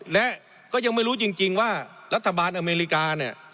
และก็ยังไม่รู้จริงว่ารัฐบาลอเมริกาเนี่ย